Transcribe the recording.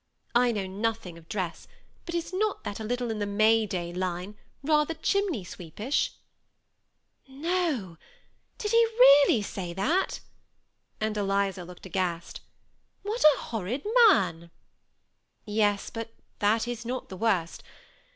I know nothing of dress, but is not that a little in the May day line — rather chimney sweeperish ?'" "No, did he really say that?" and Eliza looked aghast "What a horrid man!" " Yes, but that is not the worst.